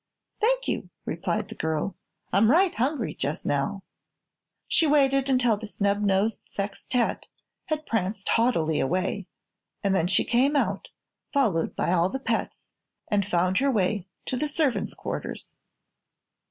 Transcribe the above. "Thank you," replied the girl; "I'm right hungry, jus' now." She waited until the snubnosed sextette had pranced haughtily away and then she came out, followed by all the pets, and found her way to the servants' quarters.